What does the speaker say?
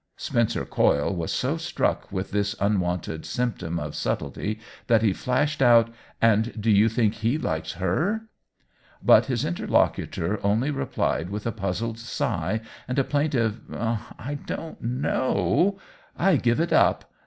Spencer Coyle was so struck with this un wonted symptom of subtlety that he flashed out :" And do you think he likes herV^ But his interlocutor only replied with a puzzled sigh and a plaintive " I don't know — I give it up